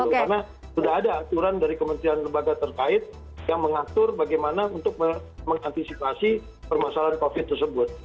karena sudah ada aturan dari kementerian lembaga terkait yang mengatur bagaimana untuk mengantisipasi permasalahan covid tersebut